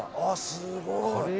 すごい。